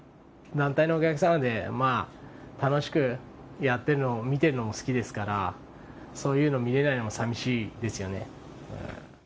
団体のお客様で、楽しくやってるのを見てるのも好きですから、そういうの、見れないのもさみしいですよね。